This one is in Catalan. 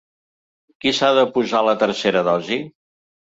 Qui s’ha de posar la tercera dosi?